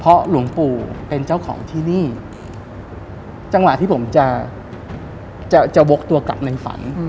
หลวงปู่เป็นเจ้าของที่นี่จังหวะที่ผมจะจะวกตัวกลับในฝัน